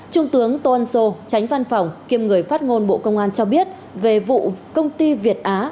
trung tướng tô ân sô tránh văn phòng kiêm người phát ngôn bộ công an cho biết về vụ công ty việt á